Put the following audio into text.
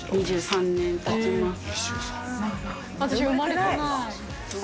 ２３年たちます。